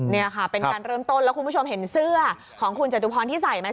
นี่ค่ะเป็นการเริ่มต้นแล้วคุณผู้ชมเห็นเสื้อของคุณจตุพรที่ใส่ไหม